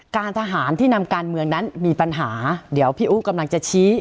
การทหารที่นำการเมืองนั้นมีปัญหาเดี๋ยวพี่อู๋กำลังจะชี้